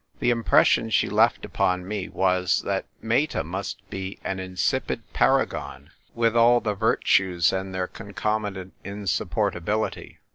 The impression she left upon me was that Meta must be an insipid paragon, with all the virtues and their concomitant insup portability.